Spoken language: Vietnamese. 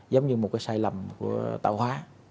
giống như một cái sai lầm của tạo hóa